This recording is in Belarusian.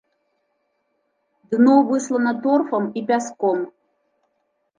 Дно выслана торфам і пяском.